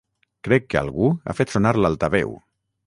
Crec que algú ha fet sonar l'altaveu!